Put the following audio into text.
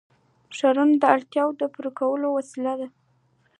ښارونه د اړتیاوو د پوره کولو وسیله ده.